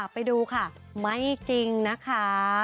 ไปดูค่ะไม่จริงนะคะ